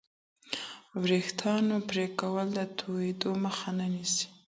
د وریښتانو پرې کول د توېدو مخه نه نیسي.